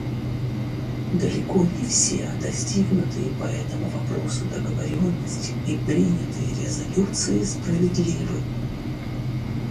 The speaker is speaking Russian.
Далеко не все достигнутые по этому вопросу договоренности и принятые резолюции справедливы.